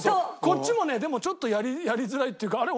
こっちもねでもちょっとやりづらいっていうかあれ？